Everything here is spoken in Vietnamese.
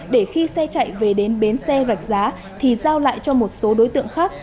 để khi xe chạy về đến bến xe rạch giá thì giao lại cho một số đối tượng khác